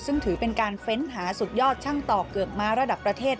ซึ่งถือเป็นการเฟ้นหาสุดยอดช่างต่อเกือบม้าระดับประเทศ